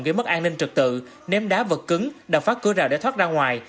gây mất an ninh trực tự ném đá vật cứng đập phá cửa rào để thoát ra ngoài